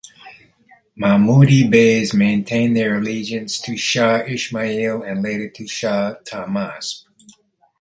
Mahmudi Beys maintained their allegiance to Shah Ismail and later to Shah Tahmasp.